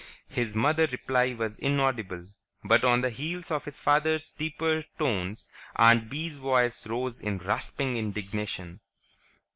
His mother's reply was inaudible, but on the heels of his father's deeper tones, Aunt Bee's voice rose in rasping indignation.